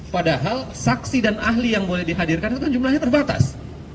padahal saksi dan ahli yang boleh dihadirkan itu kan jumlahnya terbatas